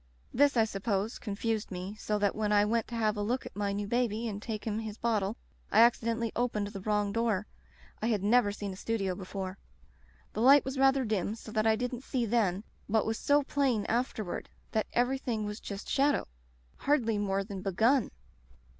This, I sup pose, confused me, so that when I went to have a look at my new baby and take him his bottle I accidentally opened the wrong door. I had never seen a studio before. The light was rather dim so that I didn't see then, what was so plain afterward, that everything was just shadow — ^hardly more than begun.